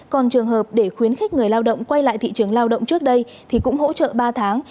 còn trường hợp để khuyến khích người lao động quay lại thị trường lao động trước đây thì cũng hỗ trợ ba tháng